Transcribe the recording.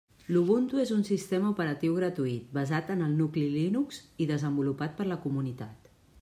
L'Ubuntu és un sistema operatiu gratuït, basat en el nucli Linux i desenvolupat per la comunitat.